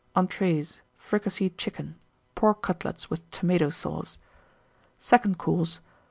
ENTREES. Fricasseed Chicken. Pork Cutlets, with Tomato Sauce. SECOND COURSE.